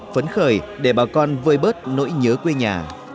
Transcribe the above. phấn khởi để bà con vơi bớt nỗi nhớ quê nhà